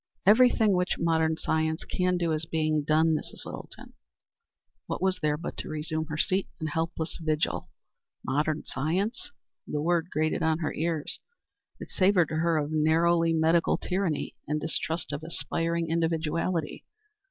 "Everything which modern science can do is being done, Mrs. Littleton." What was there but to resume her seat and helpless vigil? Modern science? The word grated on her ears. It savored to her of narrow medical tyranny, and distrust of aspiring individuality.